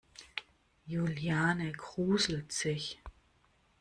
Juliane gruselt sich.